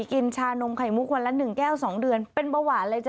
กินชานมไข่มุกวันละ๑แก้ว๒เดือนเป็นเบาหวานเลยจ้